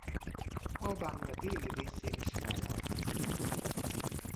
Albánia déli részén is fellelhető.